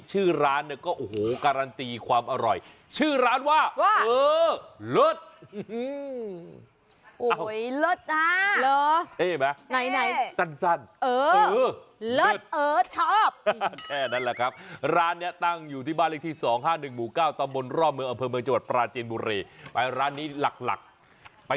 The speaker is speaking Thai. ชื่อร้านก็การันตีความอร่อยชื่อร้านว่า